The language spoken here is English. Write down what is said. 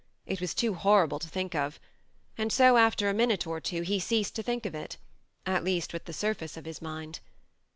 ... It was too horrible to think of, and so, after a minute or two, he ceased to think of it at least with the surface of his mind.